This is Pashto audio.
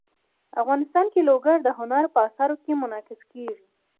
افغانستان کې لوگر د هنر په اثار کې منعکس کېږي.